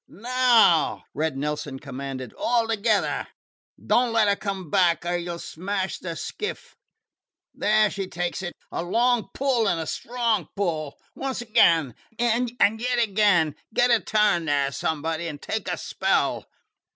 "Now!" Red Nelson commanded. "All together! Don't let her come back or you 'll smash the skiff. There she takes it! A long pull and a strong pull! Once again! And yet again! Get a turn there, somebody, and take a spell."